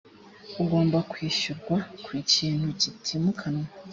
ugomba kwishyurwa ku kintu kitimukanwa